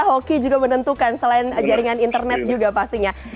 hoki juga menentukan selain jaringan internet juga pastinya